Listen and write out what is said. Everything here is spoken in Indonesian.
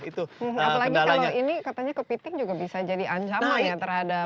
apalagi kalau ini katanya kepiting juga bisa jadi ancaman ya terhadap